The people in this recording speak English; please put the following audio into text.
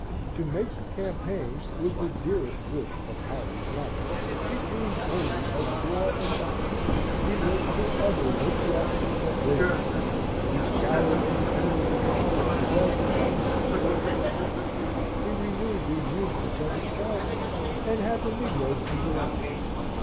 To make the campaign was the dearest wish of Harry's life. He dreamed only of war and battle; he was for ever with the officers at Williamsburg; he scoured and cleaned and polished all the guns and swords in the house; he renewed the amusements of his childhood, and had the negroes under arms.